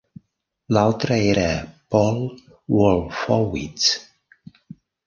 L'altre era Paul Wolfowitz.